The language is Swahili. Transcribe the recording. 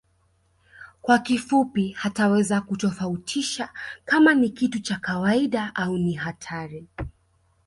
Kwa kifupi hataweza kutofautisha kama ni kitu cha kawaida au ni hatari